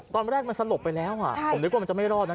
ตอนแรกมันสลบไปแล้วผมนึกว่ามันจะไม่รอดนะ